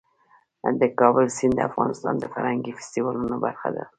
د کابل سیند د افغانستان د فرهنګي فستیوالونو برخه ده.